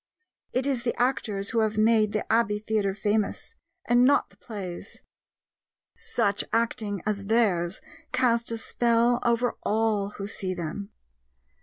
It is the actors who have made the Abbey Theatre famous, and not the plays. Such acting as theirs cast a spell over all who see them.